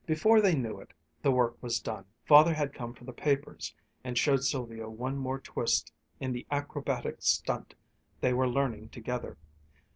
Before they knew it, the work was done, Father had come for the papers, and showed Sylvia one more twist in the acrobatic stunt they were learning together.